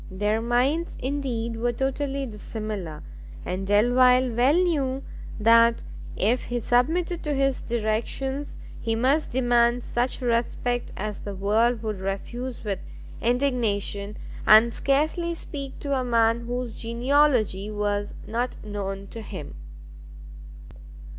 Their minds, indeed, were totally dissimilar; and Delvile well knew that if he submitted to his directions, he must demand such respect as the world would refuse with indignation, and scarcely speak to a man whose genealogy was not known to him.